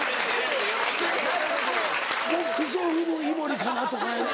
「ボックスを踏む井森かな」とかやな。